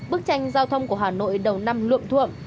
bức tranh giao thông của hà nội đầu năm lượng thuộm